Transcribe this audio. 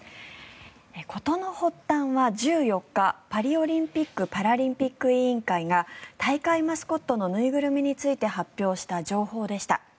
事の発端は１４日パリオリンピック・パラリンピック大会組織委員会が大会マスコットの縫いぐるみについて発表した情報でした。